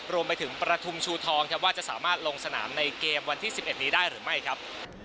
รวมไปถึงประทุมชูทองครับว่าจะสามารถลงสนามในเกมวันที่๑๑นี้ได้หรือไม่ครับ